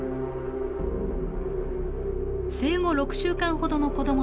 生後６週間ほどの子どもたち。